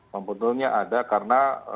momentumnya ada karena